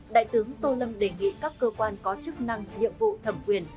đại tướng tô lâm đề nghị các cơ quan có chức năng nhiệm vụ thẩm quyền